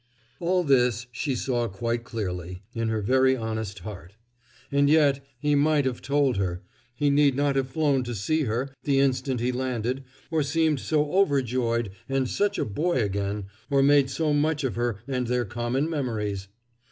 All this she saw quite clearly in her very honest heart. And yet, he might have told her; he need not have flown to see her, the instant he landed, or seemed so overjoyed, and such a boy again, or made so much of her and their common memories!